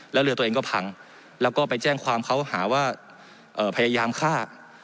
แล้วเรือตัวเองก็พังแล้วก็ไปแจ้งความเขาหาว่าพยายามฆ่า